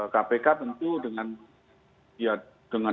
kpk tentu dengan dana yang sebegitu besar